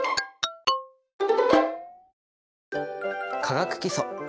「化学基礎」